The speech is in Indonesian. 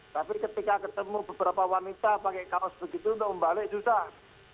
tapi ketika ketemu beberapa wanita pakai kaos begitu untuk membalik susah